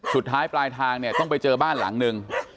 สุดท้ายปลายทางเนี่ยต้องไปเจอบ้านหลังนึง